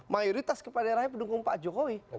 mayoritas kepala daerahnya pendukung pak jokowi